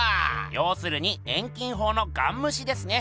ようするに遠近法のガンむしですね。